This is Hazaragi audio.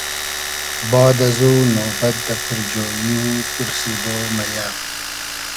باد ازو نوبئد دۂ پورجویی و پورسیدۉ مئیۂ